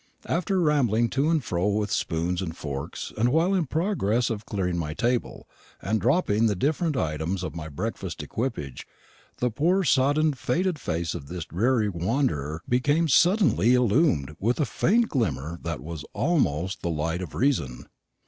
After rambling to and fro with spoons and forks, and while in progress of clearing my table, and dropping the different items of my breakfast equipage, the poor soddened faded face of this dreary wanderer became suddenly illumined with a faint glimmer that was almost the light of reason.